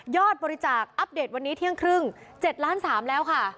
บริจาคอัปเดตวันนี้เที่ยงครึ่ง๗ล้าน๓แล้วค่ะ